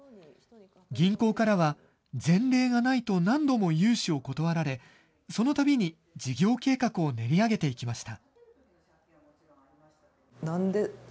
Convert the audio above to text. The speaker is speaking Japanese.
銀行からは前例がないと何度も融資を断られ、そのたびに事業計画を練り上げていきました。